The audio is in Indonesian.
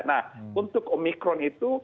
nah untuk omikron itu